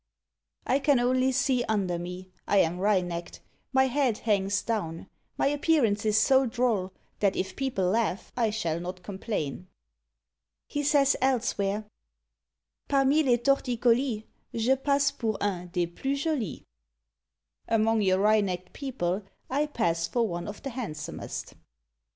"I can only see under me; I am wry necked; my head hangs down; my appearance is so droll, that if people laugh, I shall not complain." He says elsewhere, Parmi les torticolis Je passe pour un des plus jolis. "Among your wry necked people I pass for one of the handsomest."